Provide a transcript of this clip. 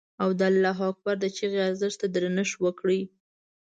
او د الله اکبر د چیغې ارزښت ته درنښت وکړي.